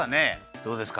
どうですか？